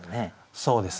そうですね